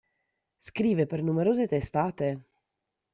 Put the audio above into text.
Scrive per numerose testate.